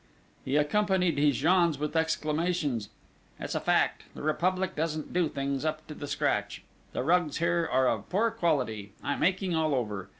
He accompanied his yawns with exclamations: "It's a fact, the Republic doesn't do things up to the scratch! The rugs here are of poor quality!... I'm aching all over!...